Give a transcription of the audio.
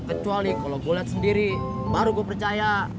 kecuali kalo gue liat sendiri baru gue percaya